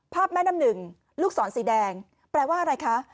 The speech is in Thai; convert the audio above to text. แม่น้ำหนึ่งลูกศรสีแดงแปลว่าอะไรคะ